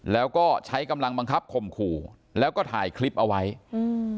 แล้วก็ใช้กำลังบังคับข่มขู่แล้วก็ถ่ายคลิปเอาไว้อืม